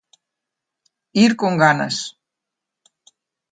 Ir con ganas.